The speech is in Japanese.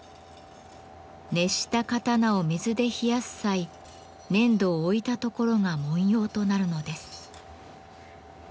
熱した刀を水で冷やす際粘土を置いた所が文様となるのです。